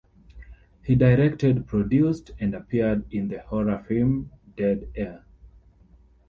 He directed, produced and appeared in the horror film "Dead Air".